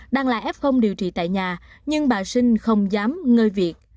đang là f điều trị tại nhà nhưng bà sinh không dám ngơi việc